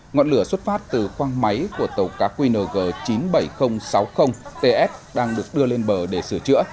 ngọn lửa xuất phát từ khoang máy của tàu cá qng chín mươi bảy nghìn sáu mươi ts đang được đưa lên bờ để sửa chữa